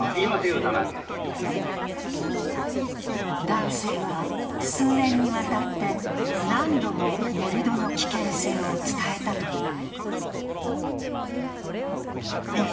男性は、数年にわたって何度も盛り土の危険性を伝えたという。